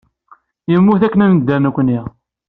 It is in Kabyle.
Yemmut akken ad nedder nekkni.